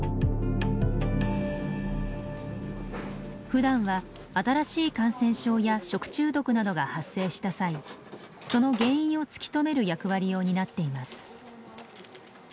ふだんは新しい感染症や食中毒などが発生した際その原因を突き止める役割を担っています。